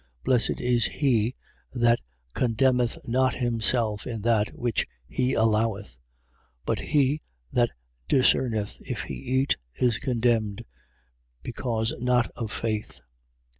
Blessed is he that condemneth not himself in that which he alloweth. 14:23. But he that discerneth, if he eat, is condemned; because not of faith.